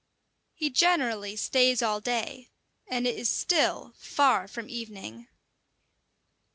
He generally stays all day, and it is still far from evening.